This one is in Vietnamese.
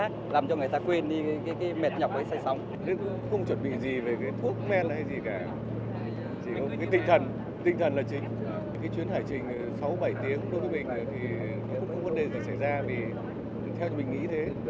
cái chuyến hải trình sáu bảy tiếng của mình thì cũng không có vấn đề gì xảy ra vì theo mình nghĩ thế